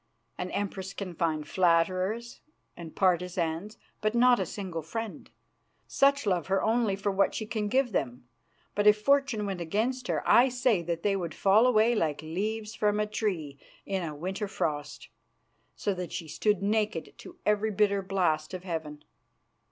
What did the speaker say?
An Empress can find flatterers and partisans, but not a single friend. Such love her only for what she can give them. But, if fortune went against her, I say that they would fall away like leaves from a tree in a winter frost, so that she stood naked to every bitter blast of heaven.